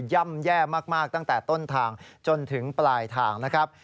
่ำแย่มากตั้งแต่ต้นทางจนถึงปลายทางนะครับ